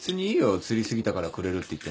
釣り過ぎたからくれるって言ってんだし。